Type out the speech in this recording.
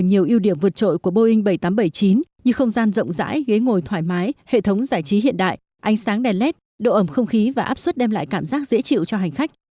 nhiều ưu điểm vượt trội của boeing bảy nghìn tám trăm bảy mươi chín như không gian rộng rãi ghế ngồi thoải mái hệ thống giải trí hiện đại ánh sáng đèn led độ ẩm không khí và áp suất đem lại cảm giác dễ chịu cho hành khách